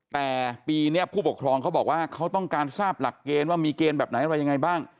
แต่ปีนี้ผู้ปกครองเขาบอกว่าเขาต้องการทราบหลักเกณฑ์ว่ามีเกณฑ์แบบไหนอะไรยังไงบ้าง